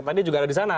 tadi juga ada di sana